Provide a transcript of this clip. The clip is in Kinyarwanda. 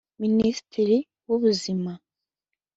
Minisitiri w’ubuzima